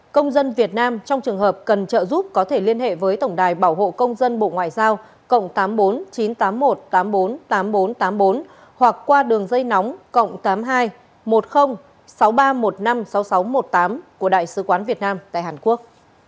công dân việt nam trong trường hợp cần trợ giúp có thể liên hệ với tổng đài bảo hộ công dân bộ ngoại giao cộng tám mươi bốn chín trăm tám mươi một tám mươi bốn tám nghìn bốn trăm tám mươi bốn hoặc qua đường dây nóng cộng tám mươi hai một mươi sáu nghìn ba trăm một mươi năm sáu nghìn sáu trăm một mươi tám của đại sứ quán việt nam tại hàn quốc